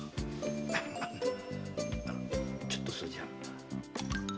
ちょっとそれじゃ。